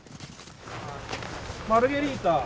マルゲリータ。